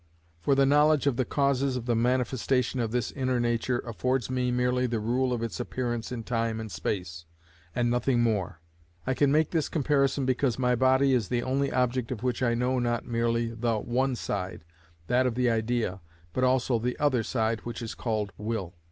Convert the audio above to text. For the knowledge of the causes of the manifestation of this inner nature affords me merely the rule of its appearance in time and space, and nothing more. I can make this comparison because my body is the only object of which I know not merely the one side, that of the idea, but also the other side which is called will.